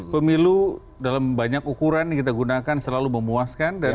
pemilu dalam banyak ukuran yang kita gunakan selalu memuaskan